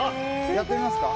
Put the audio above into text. やってみますか？